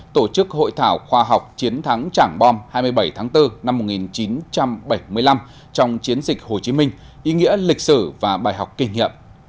tổ chức hội thảo khoa học chiến thắng chẳng bom hai mươi bảy tháng bốn năm một nghìn chín trăm bảy mươi năm trong chiến dịch hồ chí minh ý nghĩa lịch sử và bài học kinh nghiệm